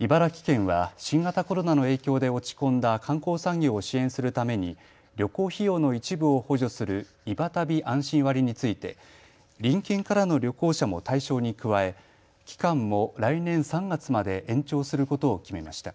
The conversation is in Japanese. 茨城県は新型コロナの影響で落ち込んだ観光産業を支援するために旅行費用の一部を補助するいば旅あんしん割について隣県からの旅行者も対象に加え期間も来年３月まで延長することを決めました。